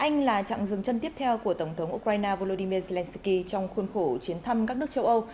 anh là chặng dừng chân tiếp theo của tổng thống ukraine volodymyr zelensky trong khuôn khổ chuyến thăm các nước châu âu